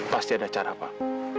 pasti ada cara pak